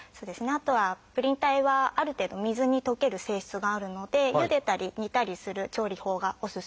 あとはプリン体はある程度水に溶ける性質があるのでゆでたり煮たりする調理法がおすすめになります。